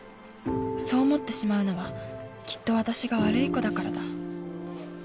［そう思ってしまうのはきっと私が悪い子だからだ］